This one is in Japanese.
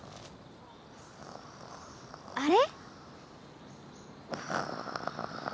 あれ？